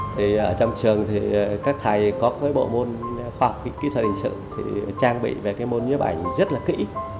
thì ở trong trường thì các thầy có cái bộ môn khoa học kỹ thuật hình sự thì trang bị về cái môn nhếp ảnh rất là kỹ